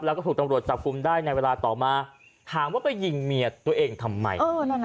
แล้วก็ถูกตำรวจจับกลุ่มได้ในเวลาต่อมาถามว่าไปยิงเมียตัวเองทำไม